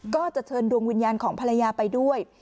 ก็จะเชิญดวงวิญญาณของภรรยาไปด้วย